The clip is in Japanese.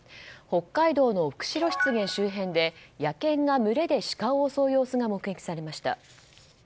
北海道の釧路湿原周辺で野犬が群れでシカを襲う様子が目撃されました。